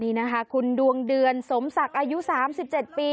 นี่นะคะคุณดวงเดือนสมศักดิ์อายุสามสิบเจ็ดปี